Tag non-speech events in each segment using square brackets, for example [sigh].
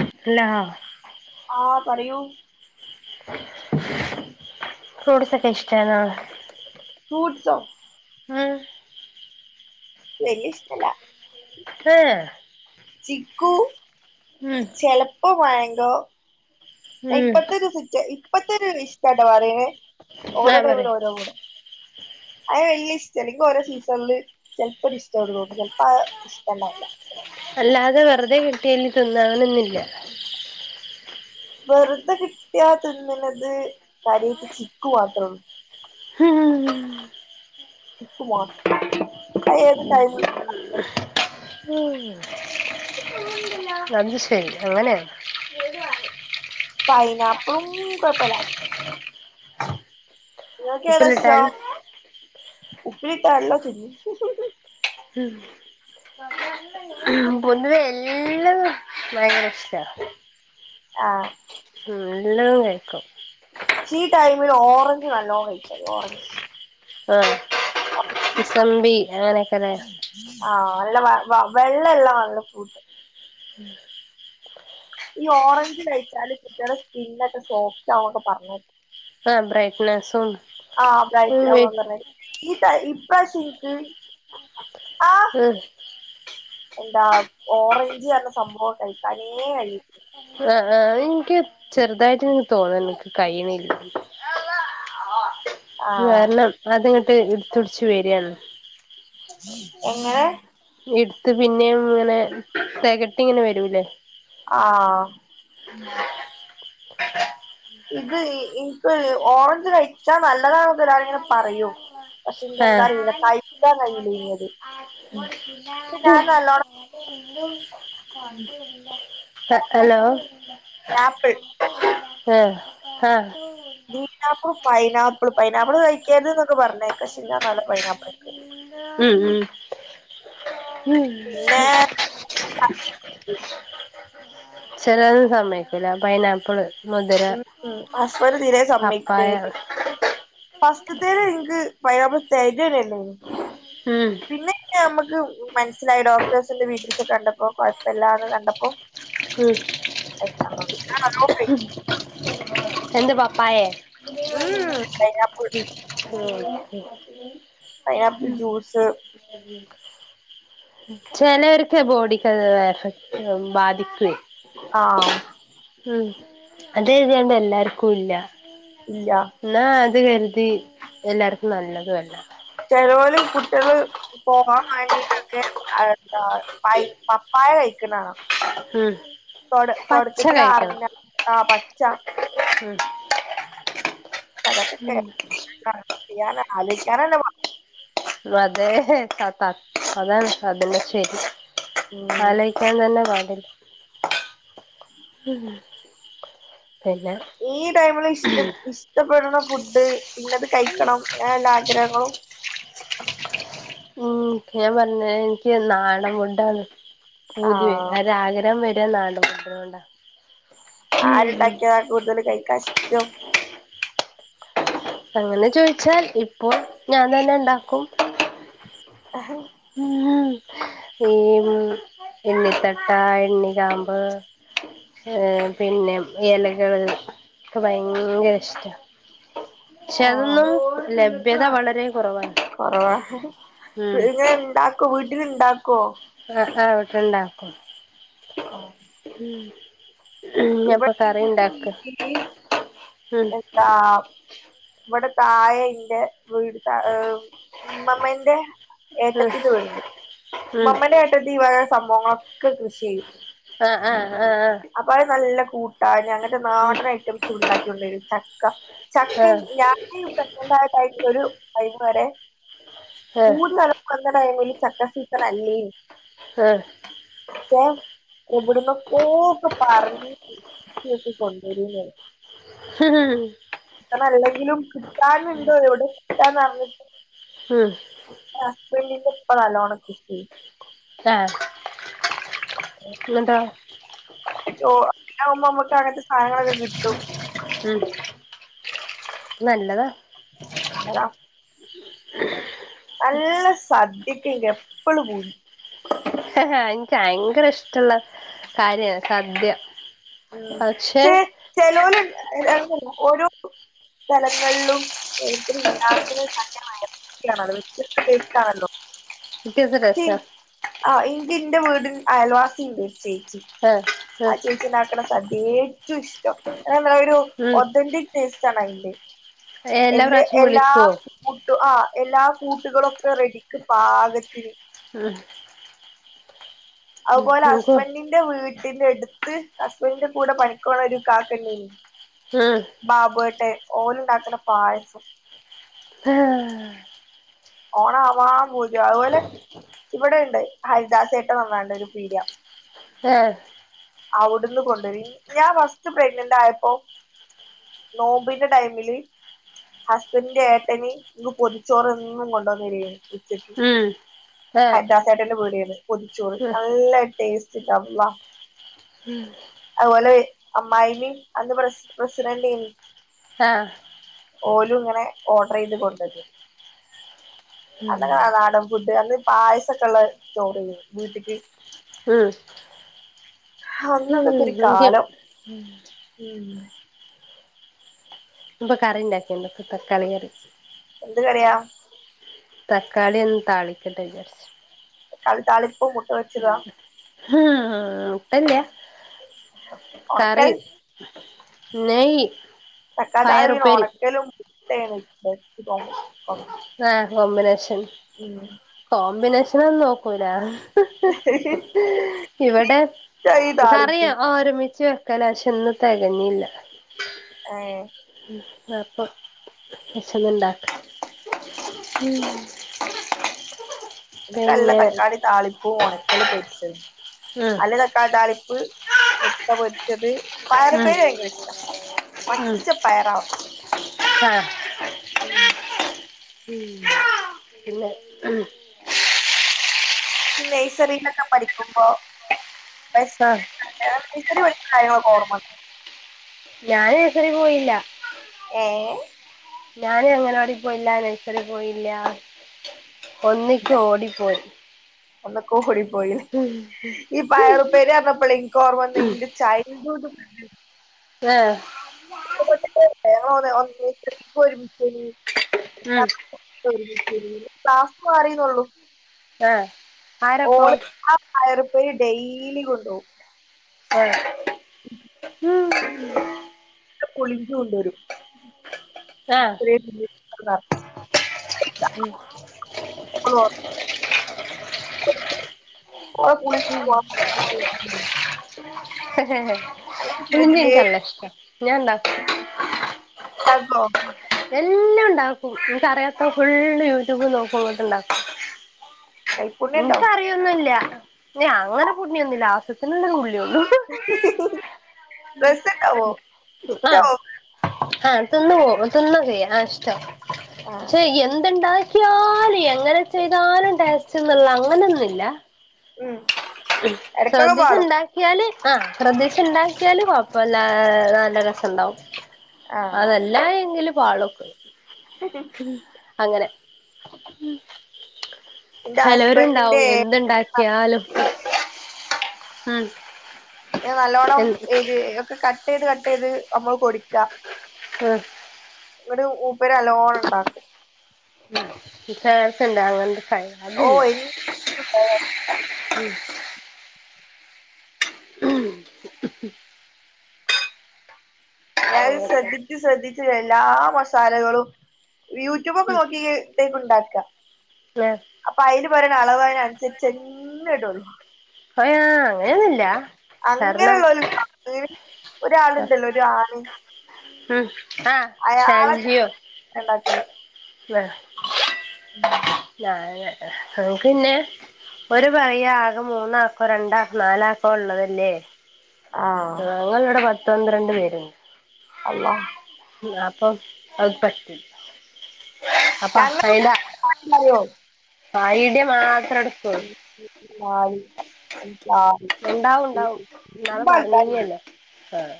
ഇല്ല ആഹ് പറയൂ. ഫ്രൂഡ്‌സൊക്കെ ഇഷ്ട്ടാണോ ഫ്രൂട്സൊ മം വെല്ല്യ ഇഷ്ടല്ല. പേ ചിക്കു ഉം ചെലപ്പോ മാങ്കോ ഉം ഇപ്പത്തൊരു സിറ്റ് ഇപ്പത്തൊരു ഇഷ്ടട്ടാ പറണെ ആ ഓരോ ടൈമില് പറയ് ഓരോ മൂഡ് അത് വെല്ല്യ ഇഷ്ട്ടല്ല എനിക്ക് ഓരോ സീസണില് ചെലപ്പോ ഒരു ഇഷ്ടോള്ളൂ ചിലപ്പോ അ ഇഷ്ടണ്ടാവുല്ല. അല്ലാതെ വെറുതെ കിട്ടിയാല് തിന്നാ അങ്ങനൊന്നില്ല. വെറുതെ കിട്ടിയാ തിന്ന്ണത് കാര്യായിട്ട് ചിക്കു മാത്രേ ഉള്ളൂ. ഹം ചിക്കുമോ അത് ഏത് ടൈ ഏഹ് അത് ശെരി അങ്ങനെയ. പൈനാപ്പളും കൊയപ്പല്ല നിങ്ങൾക് ഏതാ ഉപ്പിലിട്ടാൽ ഇഷ്ടം ഉപ്പലിട്ട നല്ലോം തിന്നും. ഉം പൊന്നു എല്ലുള്ളത് ഭയങ്കര ഇഷ്ട്ട ആഹ് മ് എല്ലതും കയിക്കും ഈ ടൈമിൽ ഓറഞ്ച് നല്ലോ കഴിച്ചോളി ഓറഞ്ച് ആ മുസബി അങ്ങനെയൊക്കെ ലേ ആ നല്ല വ വെള്ളം ഇളള നല്ല ഫൂട്ട് ഈ ഓറഞ്ച് കഴിച്ചാല് കുട്ടിളെ സ്കിന്നക്കെ സോഫ്റ്റ് ആവുന്നോക്കെ പറ് ഞ്ഞേ ആഹ് ബ്രൈറ്റ്നസും ആഹ് ഉം ബ്രൈറ്റ് ആ ഓ പറഞ്ഞാ രി ഈ ടൈ ഇപ്രാശ്യം ഇൻക്ക് [unintelligible] എന്താ ഓറഞ്ച് റ്ഞ്ഞ സംഭവം കഴിക്കാനേ കഴിയി ആഹ് ആഹ് ഇനിക്ക് ചെറുതായിട്ട് ര് തോന്നലുണ്ട് ന്ക്ക് കയ്യ്ണ്ല്ലാന്ന് ത് ആഹ് കാരണം അത്ങ്ങട്ട് ഇടുത്ത്ടിച്ച് വരാണ് എങ്ങനെ ഇടുത്ത് പിന്നെയും ഇങ്ങനെ തികട്ടി ഇങ്ങനെ വരൂല്ലേ ആഹ് ഇത് ഇന്ക്ക് ഓറഞ്ച് കഴിച്ചാ നല്ലതാണ് ന്ന് എല്ലാരും ഇങ്ങനെ പറയും പക്ഷെ നിക്ക് എന്താ ആഹ് അറിയില്ല കഴിക്കാൻകഴിയില്ല ഇനിയത് ഞാന് നല്ലോണം ഹലോ ആപ്പിൾ ഏഹ് ഹാ ഗ്രീനാപ്പിൾ പൈനാപ്പിൾ പൈനാപ്പിള് കഴിക്കരുത് ന്നൊക്കെ പറഞ്ഞേക്ക പക്ഷെ ഞാന്നാലും പൈനാപ്പ്ൾ കഴിക്കും മ് മ് പിന്നെ ചെലര് സമ്മയ്ക്കൂല പൈനാപ്പ്ള് ഉം ഉം ഹസ്ബൻഡ് തിരെ സമ്മയ്ക്ക്ണേ പപ്പായ ഫസ്റ്റ്ത്തേൻ ഇൻക്ക് പൈനാപ്പിള് [unintelligible] നില്ലേനി ഉം പിന്നെ പിന്നെ നമ്മക്ക് മനസ്സിലായി ഡോക്ടേഴ്സിന്റെ വീഡിയോസ് ഒക്കെ കണ്ടപ്പോ കൊഴപ്പമില്ലാന്ന് കണ്ടപ്പോ ഉം [unintelligible] എന്ത് പപ്പായെ ഉം പൈനാപ്പിൾ ഉം പൈനാപ്പിൾ ഉം ജ്യൂസ് ചെലർക്കെ ബോഡിക്ക് അത് എഫക്ട് ബാധിക്കു [inaudible] ആഹ് ഉം അത് കെർതിയാണ്ട് എല്ലാർക്കുല്ല ഇല്ല ന്നാ അത് കർതി എല്ലാർക്കും നല്ലതു അല്ല ചേലോല് കുട്ടിയള് പോവാൻ വേണ്ടിട്ടൊക്കെ അഹ് എന്താ അയ് പപ്പായ കഴിക്ക്ണാണ ഉം തൊട് പച്ച കഴിക്കണം തൊട്ക്കത്തിലാറണ്ണ ആ പച്ച ഉം അതൊക്കെ കേൾക്കാ [unintelligible] ആലോചിക്കാനെന്നെ പാട അതെ താത്ത അതാണ് അതന്നെ ശരി ഉം ആലോയ്ക്കാൻ തന്നെ പാടില്ല ഉം പിന്നെ ഈ ടൈമില് ഇഷ്ട ഇഷ്ടപ്പെടുന്ന ഫുഡ് ഇന്നത് കഴിക്കണം എല്ലാ ആഗ്രഹങ്ങളും ഉം ഞാൻ പറഞ്ഞീലെ ഇൻക്ക് നാടൻഫുഡാണ് പൂതി ആഹ് ഒരാഗ്രഹം വര [unintelligible] അതോണ്ടാ ആര്ണ്ടാക്കിയതാ കൂടുതൽ കഴിക്കാൻ ഇഷ്ടം അങ്ങനെ ചോയിച്ചാൽ ഇപ്പൊ ഞാൻ തന്നെ ഇണ്ടാക്കും ആഹ് ഉം [unintelligible] ഇണ്ണിത്തട്ടാ ഇണ്ണികാമ്പ് ഏ പിന്നെ എലകള് ഒക്കെ ഭയങ്കര ഇഷ്ട പക്ഷെ അതൊന്നും ലഭ്യത വളരെ കുറവാണ് കൊറവാ ക്ക് ഉം ഇങ്ങനെ ഇണ്ടാക്കോ വീട്ടില് ഇണ്ടാക്കോ ആഹ് ആഹ് വീട്ടിലുണ്ടാക്കും. ഉം ഇന്ന്പ്പൊ ഇവിടെ കറിണ്ടാക്ക വീട്ടില് ഉം ഇവടെ തായെന്റെ വീട് ഏ ഹ് ഇമ്മമ്മന്റെ ഉം ഏട്ടത്തിന്റെ വീട്ണ്ട് ഉം മമ്മന്റെ ങ്ങട്ട് ഈ വക സംഭവങ്ങളൊക്കെ കൃഷി ചെയ്യും ആഹ് ആഹ് ആഹ് ആഹ് അപ്പൊ അത് നല്ല കൂട്ട് അതന്നെ അങ്ങൻത്തെ നാടൻ ഐറ്റംസുണ്ടാക്കിക്കൊണ്ടരും ചക്ക ആഹ് ചക്കയും ആഹ് ഞാ [unintelligible] ടൈമിലൊരു ടൈമ് വരെ കൂടു ആഹ് [unintelligible] അന്ന ടൈമില് ചക്ക സീസൻ അല്ലേനി ആഹ് പ്പോ എവിട്ന്നൊക്കോ ക്ക പറഞ്ഞക്കെ [unintelligible] കൊണ്ടരൂന്നെ ഹം കാർണംഅല്ലെങ്കിലും കിട്ടാനുണ്ടോ എവ്ടെ കിട്ടാന്ന് അർഞ്ഞ്ട്ട് ഉം ഇപ്പോ നല്ലോണം കിട്ടി ആഹ് എന്നിട്ടൊ മറ്റെ ഓഹ് അധികം ആകുമ്പോ നമുക്ക് അങ്ങനത്തെ സാധനങ്ങളൊക്കെ കിട്ടും ഉം നല്ലതാ എന്നതാ നല്ല സദ്യക്ക് എപ്പള് പൂതി എനക്ക് ഭയങ്കര ഇഷ്ട്ടൊള്ള കാര്യ സദ്യ ഉം പക്ഷെ ചേ ചെലോല് അങ്ങനെ അല്ല ഓരോ സ്ഥലങ്ങളിലും ഓരോരുത്തര് ഒണ്ടാക്കുന്ന സാധങ്ങള് ആയാലും [unintelligible] വെത്യസ്ത ടേസ്റ്റ് ആണല്ലോ വ്യത്യസ്ത ടെസ്റ്റാ ആഹ് എങ്കി എന്റെ വീടിൽ അയൽവാസി എണ്ട് ഒരു ചേച്ചി ആഹ് ആഹ് ചേച്ചീ ഉണ്ടാക്കുന്ന സദ്യ ഏറ്റവും ഇഷ്ട്ടം അത് നമ്മടെ ഒരു ഉം ഒതന്റിക് ടേസ്റ്റ് ആണ് അയ്യിന്റ് എല്ലാ എല്ല് പ്രാവശ്യം എല്ലാ വിളിക്കോ കൂട്ടും ആഹ് എല്ലാ കൂട്ടുകളും ഒക്കെ റെഡിക്ക് പാകത്തിന് ഉം അതുപോലെ നോക്കോ ഹസ്ബൻഡിന്റെ വീട്ടിന്റെ എടുത്ത് ഹസ്ബന്റിന്റെ കൂടെ പണിക്ക് പോകുന്ന ഒരു ഇക്കാക്ക ഇണ്ടായിനി ആഹ് ബാബുയേട്ടൻ ഓലുണ്ടാക്കുന്ന പായസം ആഹ് ഓണ ആവാം പൂതിയാ അത്പോലെ ഇവിടെ ഇണ്ട് ഹരിദാസേട്ടൻ വന്നോണ്ട് ഒരു പീഡിയ ആഹ് അവിടുന്ന് കൊണ്ടുവരി ഞാൻ ഫസ്റ്റ് പ്രെഗ്നന്റ് ആയപ്പോ നോമ്പിന്റെ ടൈമില് ഹസ്ബന്ഡന്റെ ഏട്ടനി ഇന്ന് പൊതിച്ചോറ് ഇന്നും കൊണ്ടോന്നില്ലേ ഉച്ചക്ക് ഉം ആഹ് ഹരിതാസേട്ടന്റെ പീടിയേന്ന് പൊതിച്ചോറ് നല്ല ടെസ്റ്റ്‌ എൻ്റെ അള്ള ഉം അതുപോലെ അമ്മായിയമ്മേം അന്ന് പ്രസ് പ്രസിഡന്റായിനി ആഹ് ഓലും ഇങ്ങനെ ഓർഡർ ചെയ്ത് കൊണ്ട് [unintelligible] അന്നങ്ങ നാടൻ ഫുഡ് അന്ന് പായസൊക്കെ ഉള്ള ചോറില്ലെ വീട്ടിക്ക് ഉം അന്നതൊക്കെ ഒരു ഇൻക്ക് കാലം ഉം ഇപ്പ കറി ഉണ്ടാക്കിയുണ്ട് തക്കാളി കറി എന്ത് കറിയ തക്കാളി ഒന്ന് താളിക്കട്ടെന്ന് വിചാരിച്ചു തക്കാളി താളിപ്പ് മു ഉം ഹ് കൊയ്യപ്പില്ല കറി ഒണക്കൽ നയി തക്കാളി താളിപ്പിന് ഒണക്കലും [unintelligible] ആഹ് കോമ്പിനേഷൻ ഉം കോമ്പിനേഷനൊന്നും നോക്കൂല ഇവിടെ ഇഷ്ടാ ഈ കറിയ താളിപ്പ് ഒരുമിച്ച് കലാശം ഇന്ന് തെകഞ്ഞില്ല ഏഹ് ഉം അപ്പം വെച്ചെന്നുണ്ടാക്ക ഉം എനക്ക് നല്ല തക്കാളി താളിപ്പൂ ഉണക്കല് പൊരിച്ചതും ഉം അല്ലേ തക്കാളി താളിപ്പ് മുട്ട പൊരിച്ചത് പയറ് ഉം ഉപ്പേരി ഭയങ്കര ഇഷ്ട്ട പച്ച പയറാവണം ആഹ. ഉം ഉം പിന്നെ ഉം. ഈ നെയ്സറിനൊക്കെ പഠിക്കുമ്പോ [unintelligible] നഴ്സറിപഠിച്ച കാര്യങ്ങളൊക്കെ ഓർമ്മ. ഞാന് നഴ്സറീപോയില്ല. ഏഹ്. ഞാന് അങ്ങനവാടി പോയില്യാ നഴ്സറി പോയില്യാ. ഒന്നിക്ക് ഓടിപ്പോയ്. ഒന്ന്ക്കൊടി പോയി ഈ പയർ ഉപ്പേരിപറഞ്ഞപ്പളെ ഇക്ക് ഓർമ്മവന്നെ ഇന്റെ ചൈൽഡ്ഹുഡ. ഏഹ്. [unintelligible] ഉം [unintelligible] ശെരി ശെരി ക്ലാസ്റ്റ് മാറിന്നൊള്ളു ആഹ് ആരപ്പോ ഓള് ആഹ് പറയറുപ്പേരി ഡെയിലി കൊണ്ടോവും. ഏഹ്. [inaudible] പുളിഞ്ചി കൊണ്ടോരും. [inaudible] [inaudible] [inaudible] ആഹ് ഓളെകുളി [unintelligible] [unintelligible] ഹെഹെ. [unintelligible] ഉണ്ടാക്കും ണ്ടാക്കൊ. എലോംണ്ടാക്കും നിക്കറിയാത്ത ഫുള്ള് യൂട്യൂബ് നോക്കും ന്നിട്ട് ഇണ്ടാക്കും. കൈപ്പുണ്യം ഉണ്ടാവും നിക്കറിയൊന്നുല്ല ഞാങ്ങനെ പുണ്യൊന്നും [unintelligible] [unintelligible] രസണ്ടാവോ ആഹ് ഇഷ്ടാവോ. ആഹ് തിന്നുപോവും തിന്നുംചെയ്യും ആ ഇഷ്ട ആ പക്ഷെ എന്ത്ണ്ടാ ക്ക്യാലും എങ്ങനെ ചെയ്താലും ടേസ്റ്റ്ന്നുള്ള അങ്ങനെയൊന്നുല്ല. മ്മ്ഹ് സ്രെദിച്ച് ഇണ്ട ക്ക്യാല് ആഹ് സ്രെദ്ദിച്ചിണ്ടാക്കിയാല് കൊഴപ്പല്ലാ നല്ല രസണ്ടാവും. ആ അതല്ലാ എങ്കില് പാളും [unintelligible] ഹ്ഹ് മ്മ്ഹ് അങ്ങനെ. എന്റെ ചെലോരിണ്ടാവും എന്ത് ണ്ടാക്കിയാലും ഓക്കെ. മ്മ്ഹ് ഞ്ഞി നല്ലോണ്ണം ഇത് ഒക്കെ കട്ട് ചെയ്ത് കട്ട് ചെയ്ത് അമ്മള് പൊട്ക്ക. ഏഹ്. ഇവിടെ മൂപ്പരലോണണ്ടാക്കും. [unintelligible] ഓ അതില്ല മ്മ്ഹ്. ഞാന് ശ്രദ്ധിച്ച് ശ്രദ്ധിച്ച് എല്ലാ മസാലകളും യൂട്യൂബൊക്കെ നോക്കി. ട്ടേക്കുണ്ടാക്ക. ലെ. അപ്പൊ അയിൽ പറയണ അളവ് അയ്നൻസരിച്ചനെ ഇടൊളു. പ്പൊ ഞാൻ അങ്ങനെയൊന്നുല്ല. കാരണം അങ്ങനെയുള്ളോൽ [unintelligible] ഒരാളുണ്ടല്ലോ ഒരു ആനി. ഉം ആഹ് ഷാൻജിയോ. ഉണ്ടാക്കല് ഏഹ്. നാന് നമ്മക്ക് പിന്നെ ഓര് പറയാ ആകെ മൂന്നാക്കോ രണ്ടാക്കോ നാലാക്കോ ഉള്ളതല്ലേ ആഹ് ഞങ്ങള് ഇവിടെ പത്തു പന്ത്രണ്ട് പേര്ണ്ട് അല്ലാഹ് അപ്പം അത് പറ്റില്ല അപ്പൊ ഞങ്ങ അയിന്റെ [unintelligible] ഐഡിയ മാത്രടക്കോള്ളു ഇണ്ടാവുംണ്ടാവും ഇന്നാള് ആൾക്കാരുണ്ട് പറഞ്ഞീനിയല്ലേ ആഹ്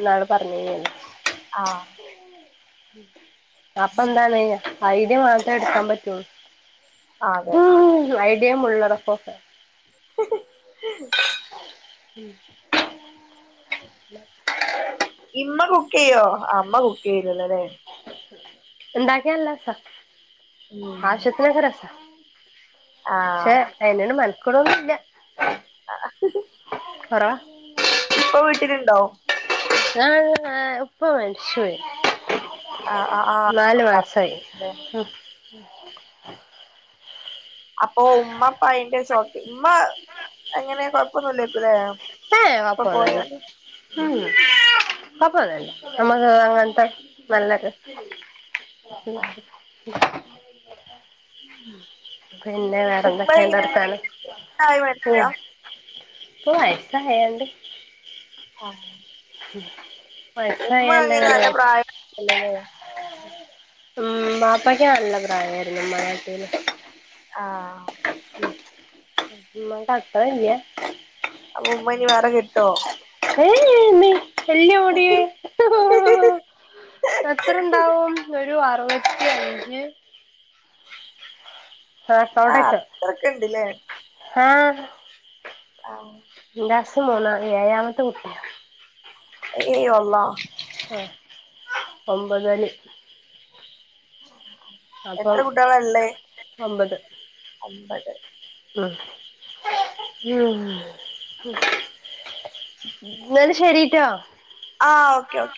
ന്നാള് പറഞ്ഞീനിയല്ലോ ആഹ് അപ്പ എന്താണ് ഐഡിയ മാത്രേ എടുക്കാൻ പറ്റൂ അതെ ഉം ഐഡിയേം ഉള്ളടക്കോം ഹ് ഹ് ഹ്ഹ ഉം ഇമ്മ കുക്ക് ചെയ്യോ അമ്മ കുക്ക് ചെയ്യുവല്ലോ ല്ലേ ഇണ്ടാക്കിയാ നല്ലസാ ഉം ആവശ്യത്തിനക്ക രസാ ആഹ് പക്ഷെ അയ്നോട് മെനക്കോടൊന്നുംല്ല ആഹ് കൊറവാ ഇപ്പൊ വീട്ടിലുണ്ടോ ആഹ് ഉപ്പ മരിച്ചോയി ആഹ് ആഹ് നാല് ആഹ് മാസായി പറഞ്ഞില്ലേ ഉം അപ്പൊ ഉമ്മപ്പ അയിന്റെ ഷോക്കി ഉമ്മ എങ്ങനെ കൊഴപ്പൊന്നുല്ലെക്കൂല്ലേ ഏഹ് കൊയപ്പോന്നൂല്ല ഉം കൊയപ്പൊന്നുല്ല നമ്മള അങ്ങനത്ത നല്ലൊരുസ് ആഹ് പിന്ന ഉപ്പ വേറെന്തൊക്കെണ്ട് എങ്ങനെ വർത്താനം പ്രായം പോ മരിച്ചതാ പോവായി [unintelligible] ആഹ് ഉം ഉമ്മ എങ്ങന നല്ല പ്രായല്ലോലേ ഉം ബാപ്പക്ക് നല്ല പ്രായായിരുന്നു ഉമ്മാനാട്ടിലും ആഹ് ഉമ്മാന്റ അത്ത ഇല്ലേ അപ്പൊ ഉമ്മഇനി വേറെ കെട്ടുവോ [unintelligible] ഇല്ല്യോടീ ഹി ഹി ഹി എത്രണ്ടാവും ഒരു അറുപത്തി അഞ്ച് ആഹ് ചൊടയ്ച്ച അത്രൊക്കെ ഇണ്ട്ല്ലേ ആഹ് ആഹ് [unintelligible] മൂന്ന ഏഴാമത്ത കുട്ടി ഏയ് ഏയ് വല്ലാഹ് ആഹ് ഒമ്പത [unintelligible] അപ്പം എത്ര ഒമ്പത് അമ്പത് ഉം ഉം ഉം ന്നാല് ശരിട്ടോ ആ ഓക്കേ ഓക്കേ